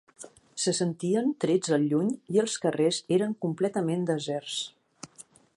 Se sentien trets al lluny i els carrers eren completament deserts